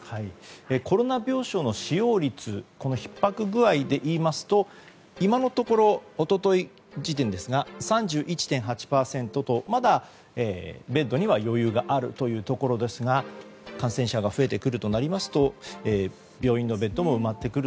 コロナ病床の使用率ひっ迫具合でいいますと今のところ一昨日時点ですが、３１．８％とまだ、ベッドには余裕があるところですが感染者が増えてくるとなりますと病院のベッドも埋まってくる。